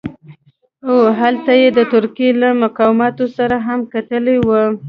او هلته یې د ترکیې له مقاماتو سره هم کتلي وو.